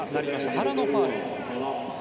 原のファウル。